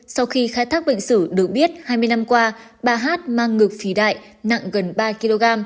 sau khi khai thác bệnh sử được biết hai mươi năm qua bà hát mang ngực phì đại nặng gần ba kg